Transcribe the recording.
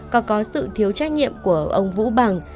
còn có sự thiếu trách nhiệm của ông vũ bằng